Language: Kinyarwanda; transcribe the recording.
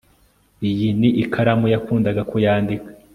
iyi ni ikaramu yakundaga kuyandika